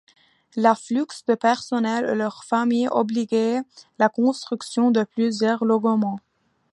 L'afflux de personnel et leurs familles obligeât la construction de plusieurs logements.